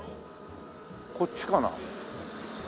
こっちかな？